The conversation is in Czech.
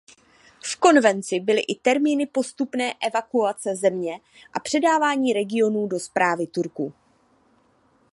V konvenci byly i termíny postupné evakuace země a předávání regionů do správy Turků.